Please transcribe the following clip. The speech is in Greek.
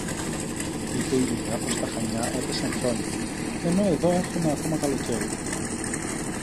Είπε η Γιαγιά πως στα Χανιά έπεσαν χιόνια, ενώ εδώ έχομε ακόμα καλοκαίρι